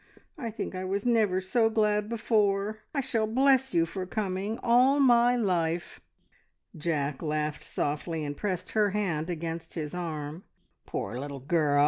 I think I was never so glad before. I shall bless you for coming all my life!" Jack laughed softly, and pressed her hand against his arm. "Poor little girl!